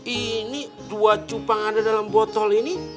ini dua cupang ada dalam botol ini